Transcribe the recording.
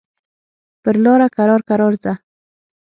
پر لاره کرار کرار ځه.